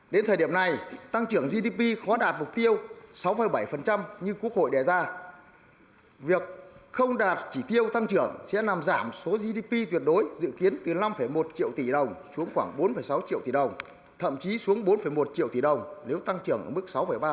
đến thời điểm này tăng trưởng gdp khó đạt mục tiêu sáu bảy như quốc hội đề ra việc không đạt chỉ tiêu tăng trưởng sẽ làm giảm số gdp tuyệt đối dự kiến từ năm một triệu tỷ đồng xuống khoảng bốn sáu triệu tỷ đồng thậm chí xuống bốn một triệu tỷ đồng nếu tăng trưởng ở mức sáu ba